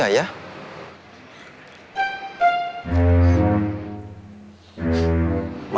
mana ini sudah bau